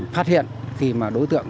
phát hiện khi đối tượng